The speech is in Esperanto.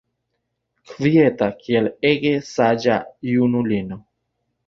Kvieta kaj ege saĝa junulino.